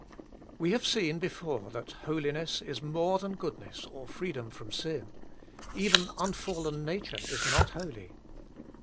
We have seen before that Holiness is more than goodness or freedom from sin : even unfallen nature is not holy.